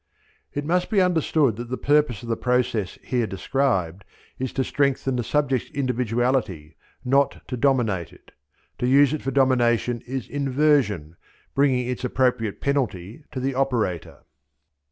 It must be understood that the purpose of the process here described is to strengthen the subject's individuality, not to dominate it. To use it for domination is inversion, bringing its appropriate penalty to the operator.